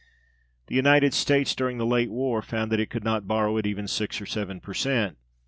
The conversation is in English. The United States during the late war found that it could not borrow at even six or seven per cent.